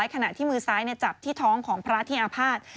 ขณะที่มือซ้ายจับที่ท้องของพระที่อาภาษณ์